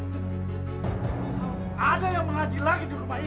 kalau ada yang menghaji lagi di rumah ini